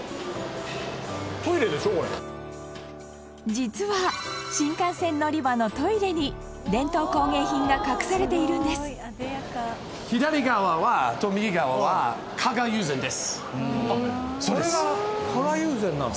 実は、新幹線乗り場のトイレに伝統工芸品が隠されているんです石原：これが加賀友禅なの？